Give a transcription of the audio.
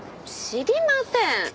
知りません。